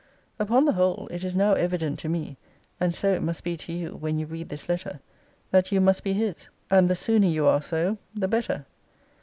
Upon the whole, it is now evident to me, and so it must be to you, when you read this letter, that you must be his. And the sooner you are so the better.